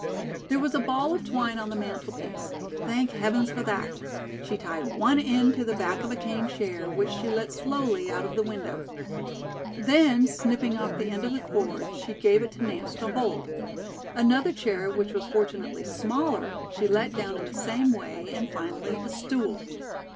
There was a ball of twine on the mantelpiece. Thank heavens for that. She tied one end to the back of a cane chair, which she let slowly out of the window. Then, snipping off the end of the cord, she gave it to Nance to hold. Another chair, which was fortunately smaller, she let down in the same way and finally a stool.